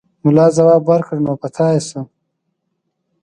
ملا ځواب ورکړ: نو په تا يې څه!